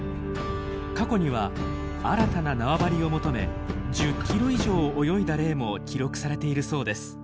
過去には新たな縄張りを求め１０キロ以上泳いだ例も記録されているそうです。